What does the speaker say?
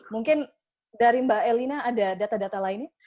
mungkin dari mbak elina ada data data lainnya